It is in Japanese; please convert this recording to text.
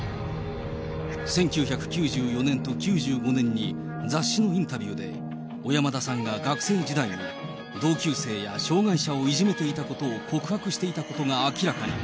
１９９４年と９５年に、雑誌のインタビューで小山田さんが学生時代に同級生や障害者をいじめていたことを告白していたことが明らかに。